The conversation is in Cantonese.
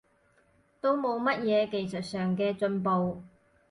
都冇乜嘢技術上嘅進步